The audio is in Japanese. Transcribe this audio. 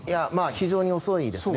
非常に遅いですね。